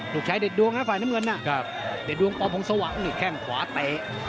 ลูกชายเด็ดดวงนะฝ่ายน้ำเงินน่ะครับเด็ดดวงปอมพงษ์สว่างนี่แข้งขวาเต๋